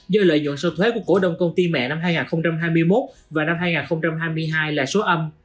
do lợi nhuận sau thuế của cổ đông công ty mẹ năm hai nghìn hai mươi một và năm hai nghìn hai mươi hai là số âm